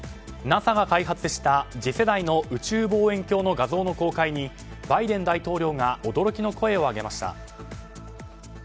ＮＡＳＡが開発した次世代の宇宙望遠鏡の画像の公開にバイデン大統領が驚きの声をあげました。